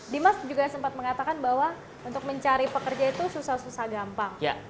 dimas juga sempat mengatakan bahwa untuk mencari pekerja itu susah susah gampang